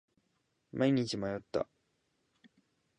毎日迷った。